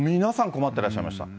困ってらっしゃいました。